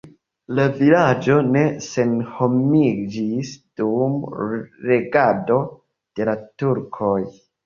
La vilaĝo ne senhomiĝis dum regado de la turkoj.